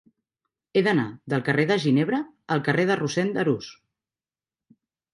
He d'anar del carrer de Ginebra al carrer de Rossend Arús.